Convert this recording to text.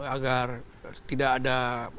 agar tidak ada